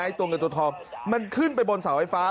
ตัวเงินตัวทองมันขึ้นไปบนเสาไฟฟ้า